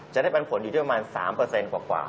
จะได้ปันผลอยู่ที่ประมาณ๓กว่า